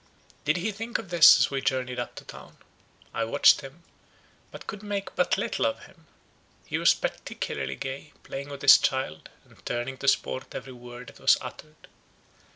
Did he think of this as we journeyed up to town? I watched him, but could make but little of him. He was particularly gay, playing with his child, and turning to sport every word that was uttered.